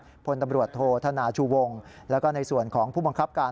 พลตำรวจโทษธนาชูวงแล้วก็ในส่วนของผู้บังคับการ